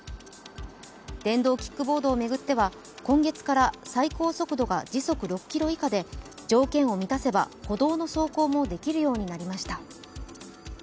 電動キックボードを巡っては今月から最高速度が時速６キロ以下で条件を満たせば歩道の走行もできるようになりました。